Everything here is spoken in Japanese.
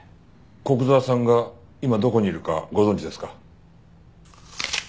古久沢さんが今どこにいるかご存じですか？